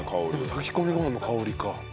炊き込みご飯の香りか。